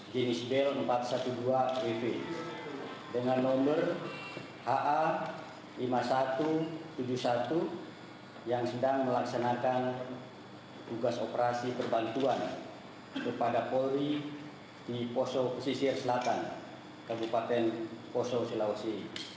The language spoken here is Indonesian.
jenis bel empat ratus dua belas bv dengan nomor ha lima ribu satu ratus tujuh puluh satu yang sedang melaksanakan tugas operasi perbantuan kepada polri di poso pesisir selatan kabupaten poso sulawesi